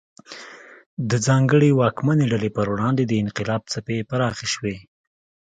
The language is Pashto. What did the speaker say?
د ځانګړې واکمنې ډلې پر وړاندې د انقلاب څپې پراخې شوې.